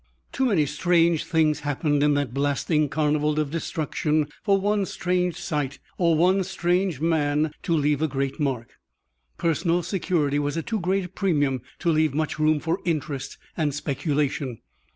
Too many strange things happened in that blasting carnival of destruction for one strange sight or one strange man to leave a great mark. Personal security was at too great a premium to leave much room for interest and speculation.